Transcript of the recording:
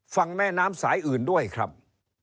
แม่น้ำสายอื่นด้วยครับ